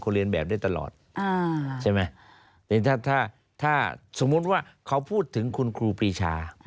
เรียนแบบได้ตลอดใช่ไหมแต่ถ้าถ้าสมมุติว่าเขาพูดถึงคุณครูปีชา